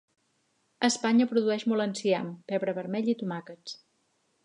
Espanya produeix molt enciam, pebre vermell i tomàquets.